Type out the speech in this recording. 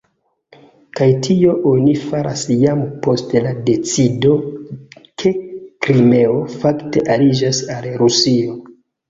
Kaj tion oni faras jam post la decido, ke Krimeo fakte aliĝas al Rusio.